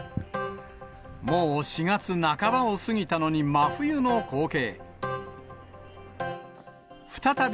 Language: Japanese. もう４月半ばを過ぎたのに真冬の光景。